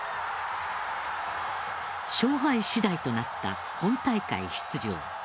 勝敗次第となった本大会出場。